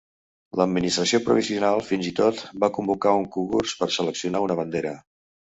L'administració provisional fins i tot va convocar un concurs per seleccionar una bandera.